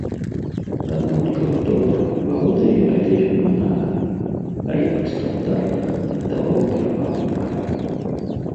Аднолькава добра валодае абедзвюма нагамі, але пры стандартах аддаваў перавагу правай.